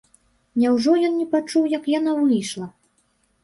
Няўжо ён не пачуў, як яна выйшла?